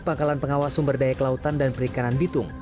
pangkalan pengawas sumber daya kelautan dan perikanan bitung